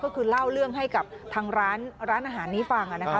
ก็คือเล่าเรื่องให้กับทางร้านอาหารนี้ฟังนะคะ